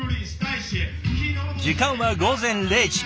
時間は午前０時。